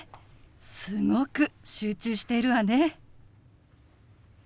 すごく集中しているわね。